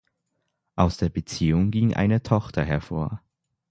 Aus der Beziehung ging eine Tochter hervor.